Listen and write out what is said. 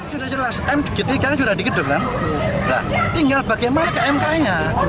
sudah jelas mg tiga nya sudah di gedung kan tinggal bagaimana ke mk nya